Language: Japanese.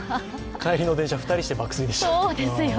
帰りの電車、２人して爆睡でした。